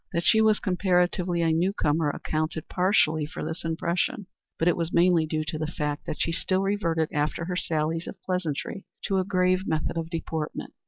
That she was comparatively a new comer accounted partially for this impression, but it was mainly due to the fact that she still reverted after her sallies of pleasantry to a grave method of deportment.